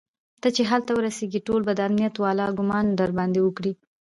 ته چې هلته ورسېږي ټول به د امنيت والا ګومان درباندې وکړي.